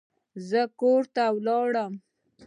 زه کور ته لاړم.